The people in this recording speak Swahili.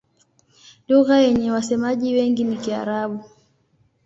Lugha yenye wasemaji wengi ni Kiarabu.